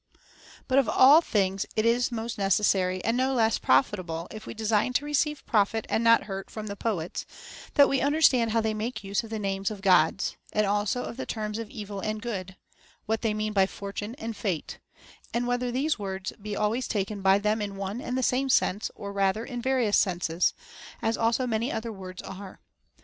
But of all things it is most necessary, and no less profit able if we design to receive profit and not hurt from the poets, that we understand how they make use of the names of Gods, as also of the terms of Evil and Good ; and what they mean by Fortune and Fate ; and whether these words be always taken by them in one and the same sense or rather in various senses, as also many other words are.